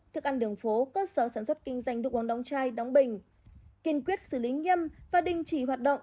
thức ăn đường phố cơ sở sản xuất kinh doanh đục bóng đông chai đóng bình kiên quyết xử lý nghiêm và đình chỉ hoạt động